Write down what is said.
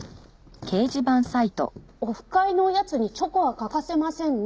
「オフ会のおやつにチョコは欠かせませんね」